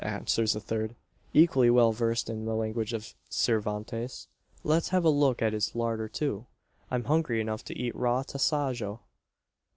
answers a third, equally well versed in the language of Cervantes. "Let's have a look at his larder too. I'm hungry enough to eat raw tasajo."